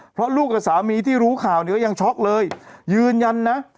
เพราะลูกกับสามีที่รู้ข่าวเนี่ยก็ยังช็อกเลยยืนยันนะ